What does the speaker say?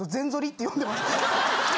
って呼んでました。